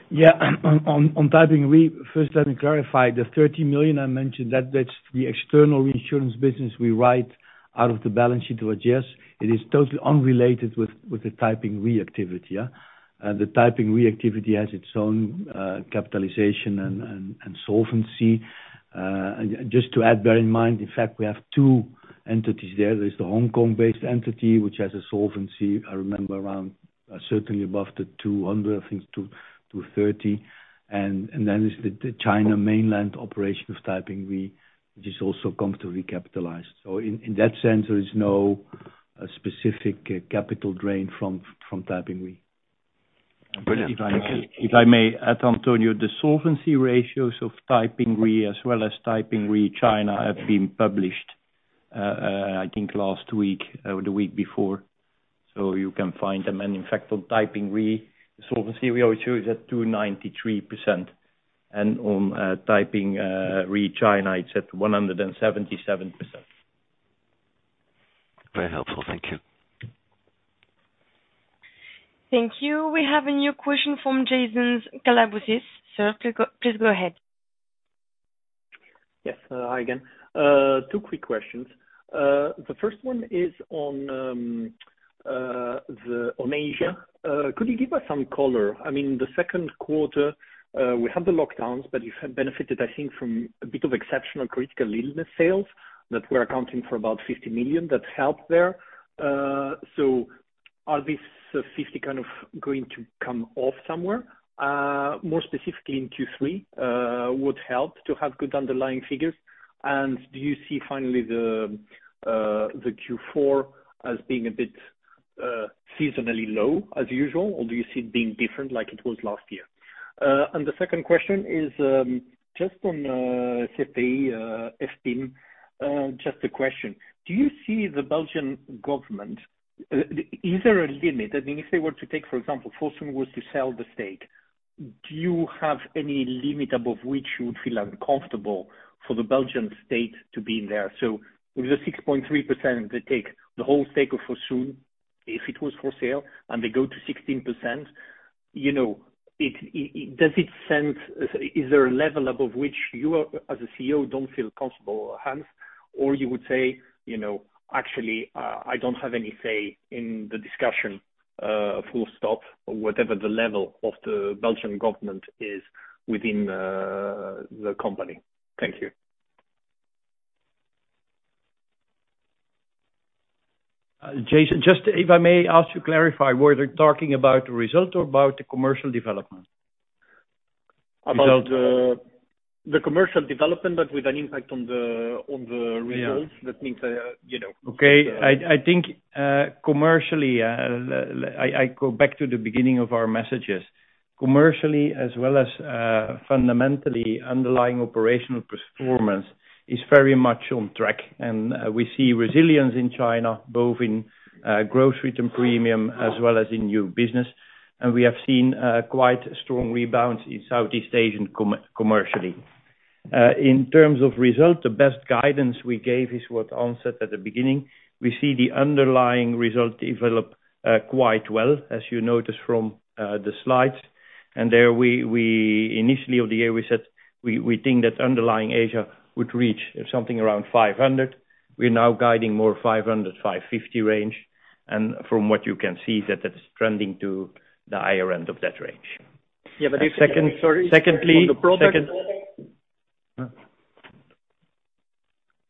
Yeah. On Taiping Reinsurance, first let me clarify the 30 million I mentioned. That's the external reinsurance business we write out of the balance sheet to adjust. It is totally unrelated with the Taiping Reinsurance activity, yeah. The Taiping Reinsurance activity has its own capitalization and solvency. Just to add, bear in mind, in fact, we have two entities there. There's the Hong Kong-based entity, which has a solvency, I remember, around, certainly above 200%, I think 230%. Then there's the mainland China operation of Taiping Reinsurance, which is also comfortably capitalized. So in that sense, there is no specific capital drain from Taiping Reinsurance. Brilliant. Thank you. If I may add, Antonio, the solvency ratios of Taiping Reinsurance as well as Taiping Reinsurance (China) have been published. I think last week or the week before. You can find them. In fact, on Taiping Reinsurance, the solvency ratio is at 293%. On Taiping Reinsurance (China), it's at 177%. Very helpful. Thank you. Thank you. We have a new question from Jason Kalamboussis. Sir, please go ahead. Yes. Hi again. Two quick questions. The first one is on Asia. Could you give us some color? I mean, the second quarter, we had the lockdowns, but you have benefited, I think, from a bit of exceptional critical illness sales that were accounting for about 50 million that helped there. So are these 50 million kind of going to come off somewhere, more specifically in Q3, would help to have good underlying figures? And do you see finally the Q4 as being a bit seasonally low as usual, or do you see it being different like it was last year? And the second question is just on SFPI, FPIM, just a question. Do you see the Belgian government, is there a limit? I mean, if they were to take, for example, Fosun was to sell the stake, do you have any limit above which you would feel uncomfortable for the Belgian state to be in there? With the 6.3%, they take the whole stake of Fosun, if it was for sale, and they go to 16%, you know, Is there a level above which you as a CEO don't feel comfortable, Hans? Or you would say, you know, actually, I don't have any say in the discussion, full stop, whatever the level of the Belgian government is within the company. Thank you. Jason, just if I may ask you clarify, we're talking about the result or about the commercial development? About the commercial development, but with an impact on the results. Yeah. That means, you know. Okay. I think commercially I go back to the beginning of our messages. Commercially as well as fundamentally underlying operational performance is very much on track. We see resilience in China, both in growth retained premium as well as in new business. We have seen quite strong rebounds in Southeast Asia commercially. In terms of results, the best guidance we gave is what Hans said at the beginning. We see the underlying result develop quite well, as you notice from the slides. At the beginning of the year, we said we think that underlying Asia would reach something around 500. We're now guiding 500-550 range. From what you can see that it's trending to the higher end of that range. Yeah, if Secondly.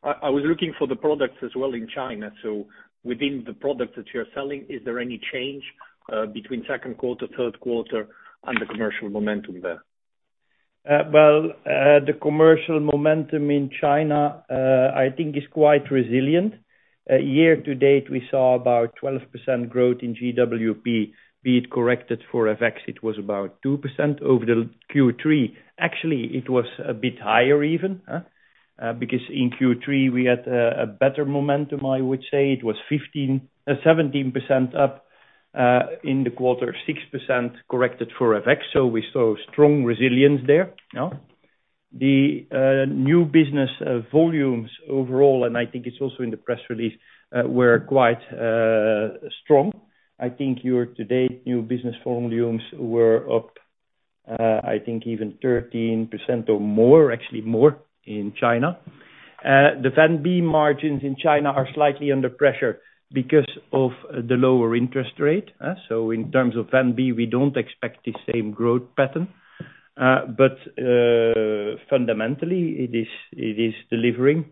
I was looking for the products as well in China. Within the products that you're selling, is there any change between second quarter, third quarter and the commercial momentum there? Well, the commercial momentum in China, I think is quite resilient. Year to date, we saw about 12% growth in GWP. But corrected for FX, it was about 2% over the Q3. Actually, it was a bit higher even, because in Q3 we had a better momentum, I would say. It was 15%-17% up in the quarter, 6% corrected for FX. So we saw strong resilience there. Yeah. The new business volumes overall, and I think it's also in the press release, were quite strong. I think year to date, new business volumes were up, I think even 13% or more, actually more in China. The VNB margins in China are slightly under pressure because of the lower interest rate. In terms of VNB, we don't expect the same growth pattern. Fundamentally, it is delivering.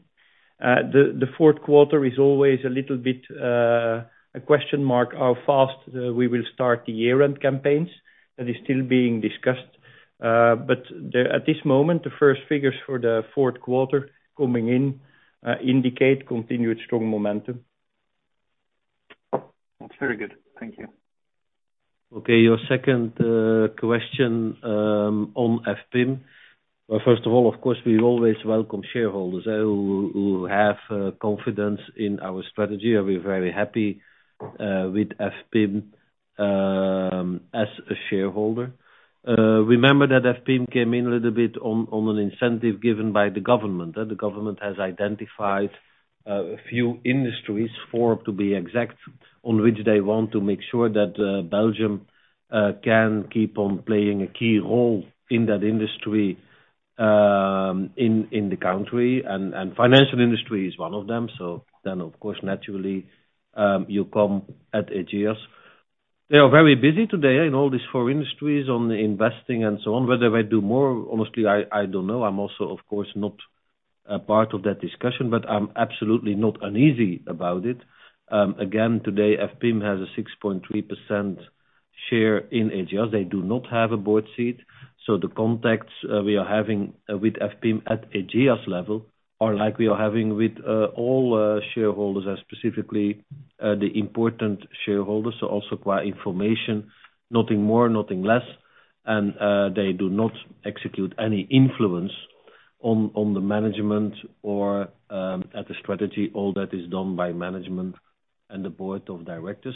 The fourth quarter is always a little bit a question mark, how fast we will start the year-end campaigns. That is still being discussed. At this moment, the first figures for the fourth quarter coming in indicate continued strong momentum. That's very good. Thank you. Okay, your second question on FPIM. Well, first of all, of course, we always welcome shareholders who have confidence in our strategy, and we're very happy with FPIM as a shareholder. Remember that FPIM came in a little bit on an incentive given by the government. The government has identified a few industries, four to be exact, on which they want to make sure that Belgium can keep on playing a key role in that industry in the country. Financial industry is one of them. Of course, naturally, you come at Ageas. They are very busy today in all these four industries on investing and so on. Whether I do more, honestly, I don't know. I'm also, of course, not part of that discussion, but I'm absolutely not uneasy about it. Again, today, FPIM has a 6.3% share in Ageas. They do not have a board seat. The contacts we are having with FPIM at Ageas level are like we are having with all shareholders and specifically the important shareholders. They also require information, nothing more, nothing less. They do not execute any influence on the management or at the strategy. All that is done by management and the board of directors.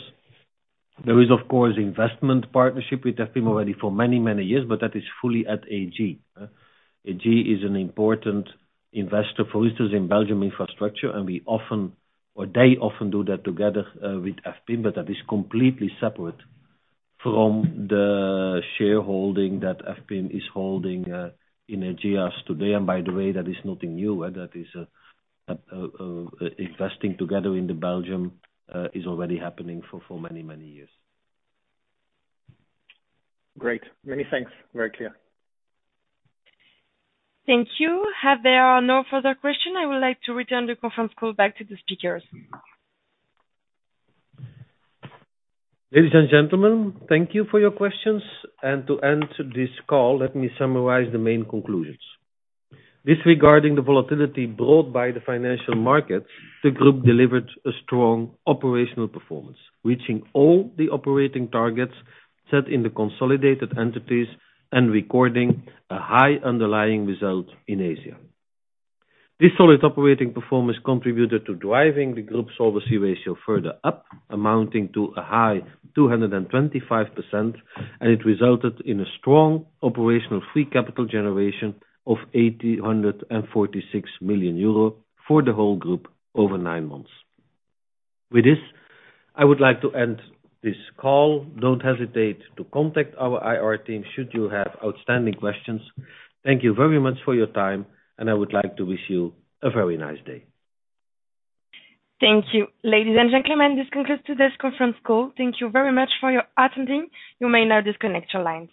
There is, of course, investment partnership with FPIM already for many, many years, but that is fully at AG. AG is an important investor, for instance, in Belgian infrastructure, and we often or they often do that together with FPIM, but that is completely separate from the shareholding that FPIM is holding in Ageas today. By the way, that is nothing new. Investing together in Belgium is already happening for many years. Great. thanks. Very clear. Thank you. If there are no further questions, I would like to return the conference call back to the speakers. Ladies and gentlemen, thank you for your questions. To end this call, let me summarize the main conclusions. Disregarding the volatility brought by the financial market, the group delivered a strong operational performance, reaching all the operating targets set in the consolidated entities and recording a high underlying result in Asia. This solid operating performance contributed to driving the group solvency ratio further up, amounting to a high 225%, and it resulted in a strong operational free capital generation of 846 million euro for the whole group over nine months. With this, I would like to end this call. Don't hesitate to contact our IR team should you have outstanding questions. Thank you very much for your time, and I would like to wish you a very nice day. Thank you. Ladies and gentlemen, this concludes today's conference call. Thank you very much for your attending. You may now disconnect your lines.